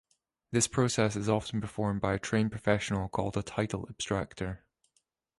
This process is often performed by a trained professional called a title abstractor.